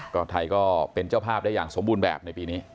ก็ไทยก็เป็นเจ้าภาพได้อย่างสมบูรณ์แบบในปีนี้